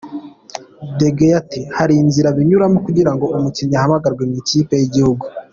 Degaule ati:” Hari inzira binyuramo kugira ngo umukinnyi ahamagarwe mu ikipe y’igihugu.